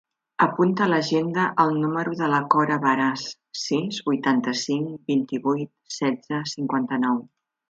Apunta a l'agenda el número de la Cora Varas: sis, vuitanta-cinc, vint-i-vuit, setze, cinquanta-nou.